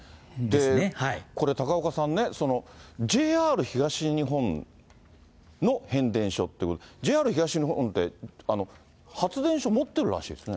これ、高岡さんね、ＪＲ東日本の変電所って、ＪＲ東日本って発電所持ってるらしいですね。